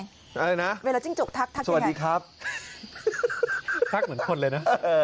ทักยังไงเวลาจิ้งจกทักทักยังไงสวัสดีครับทักเหมือนคนเลยนะ